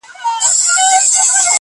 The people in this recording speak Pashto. جومات ته نژدې، له خدايه ليري.